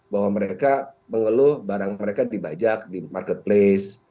bahwa mereka mengeluh barang mereka dibajak di marketplace